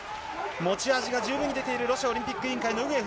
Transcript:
持ち味が十分に出ている、ロシアオリンピック委員会のウグエフ。